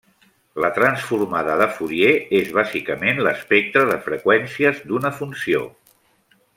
La transformada de Fourier és bàsicament l'espectre de freqüències d'una funció.